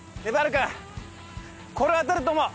君これは当たると思う。